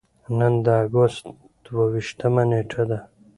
نن د اګست دوه ویشتمه نېټه ده.